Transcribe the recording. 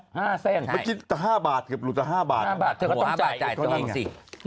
ไม่คิด๕บาทลุกจะ๕บาทเธอก็ต้องจ่ายอีกตรงนี้สิ